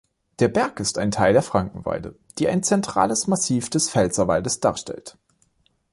Der Berg ist Teil der Frankenweide, die ein zentrales Massiv des Pfälzerwaldes darstellt.